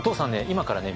今からね